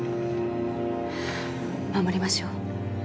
守りましょう。